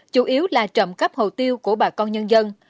chủ yếu là trộm cắp hồ tiêu của bà con nhân dân